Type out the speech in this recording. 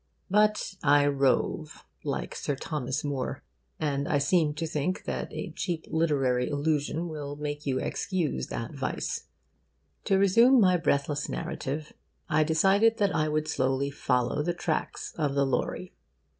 'But I rove,' like Sir Thomas More. And I seem to think that a cheap literary allusion will make you excuse that vice. To resume my breathless narrative I decided that I would slowly follow the tracks of the lorry.